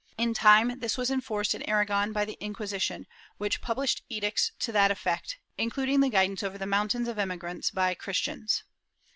In time this was enforced in Aragon by the Inquisition, which published edicts to that effect, including the guidance over the mountains of emi grants by Christians.